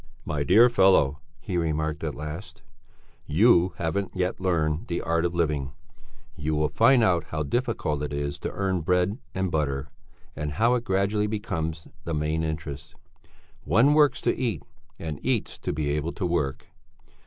"My dear fellow," he remarked at last, "you haven't yet learned the art of living; you will find out how difficult it is to earn bread and butter, and how it gradually becomes the main interest. One works to eat and eats to be able to work.